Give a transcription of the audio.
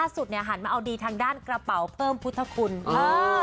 สุดเนี่ยหันมาเอาดีทางด้านกระเป๋าเพิ่มพุทธคุณเออ